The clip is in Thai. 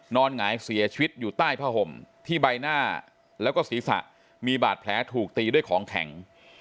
หงายเสียชีวิตอยู่ใต้ผ้าห่มที่ใบหน้าแล้วก็ศีรษะมีบาดแผลถูกตีด้วยของแข็ง